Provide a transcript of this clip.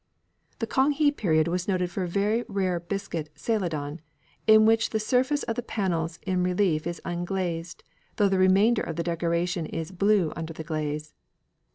The Kang he period was noted for a very rare biscuit Celadon, in which the surface of the panels in relief is unglazed, though the remainder of the decoration is blue under the glaze.